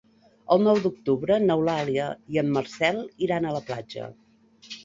El nou d'octubre n'Eulàlia i en Marcel iran a la platja.